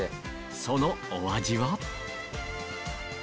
そのお味は？